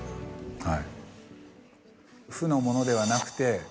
はい。